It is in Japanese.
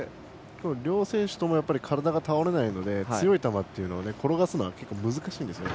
両選手とも体が倒れないので強い球を転がすのは難しいんですよね。